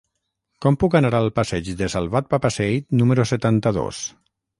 Com puc anar al passeig de Salvat Papasseit número setanta-dos?